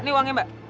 ini uangnya mbak